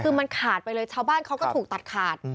คือมันขาดไปเลยชาวบ้านเขาก็ถูกตัดขาด